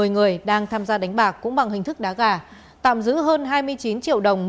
một mươi người đang tham gia đánh bạc cũng bằng hình thức đá gà tạm giữ hơn hai mươi chín triệu đồng